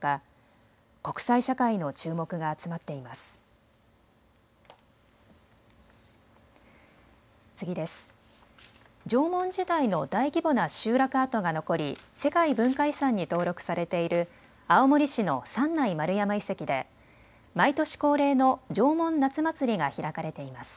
縄文時代の大規模な集落跡が残り世界文化遺産に登録されている青森市の三内丸山遺跡で毎年恒例の縄文夏祭りが開かれています。